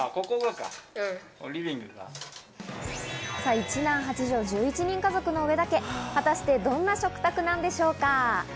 １男８女、１１人家族の上田家、果たしてどんな食卓なのでしょうか？